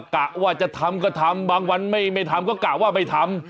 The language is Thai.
กะว่าจะทำก็ทำบางวันไม่ทำก็กะว่าไม่ทำ